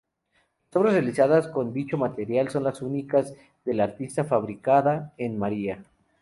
Las obras realizadas con dicho material son las únicas del artista fabricada en Marfa.